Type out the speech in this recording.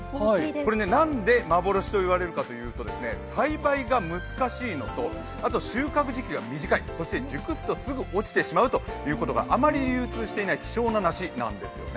これ、何で幻と言われるかというと、栽培が難しいのと、あと収穫時期が短い、そして熟すとすぐ落ちてしまうということであまり流通していない希少な梨なんですよね